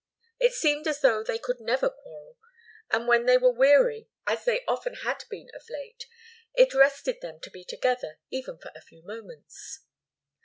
It seemed as though they could never quarrel; and when they were weary, as they often had been of late, it rested them to be together even for a few moments.